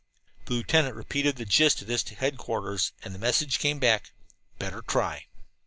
The lieutenant repeated the gist of this to headquarters, and the message came back: "Better try."